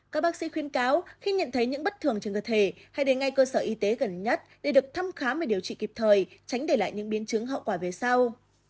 các bác sĩ khuyên cáo khi nhận thấy những bất thường trên cơ thể hãy đến ngay cơ sở y tế gần nhất để được thăm khám và điều trị kịp thời tránh để lại những biến chứng hậu quả về sau